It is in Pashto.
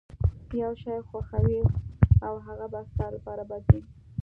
يو شی خوښوئ او هغه به ستاسې لپاره بد وي.